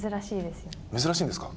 珍しいんですか？